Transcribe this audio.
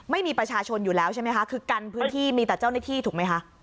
ไม่มีประชาชนอยู่แล้วใช่ไหมคะคือกันพื้นที่มีแต่เจ้าหน้าที่ถูกไหมคะ